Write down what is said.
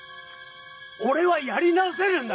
俺はやり直せるんだ。